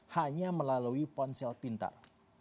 hanya melalui ponsel pintar